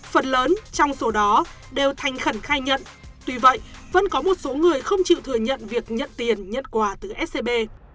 phần lớn trong số đó đều thành khẩn khai nhận tuy vậy vẫn có một số người không chịu thừa nhận việc nhận tiền nhận quà từ scb